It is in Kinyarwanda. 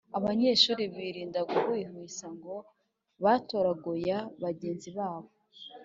abanyeshuri birinda guhwihwisa ngo batarogoya bagenzi babo